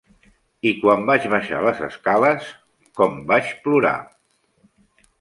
I quan vaig baixar les escales, com vaig plorar!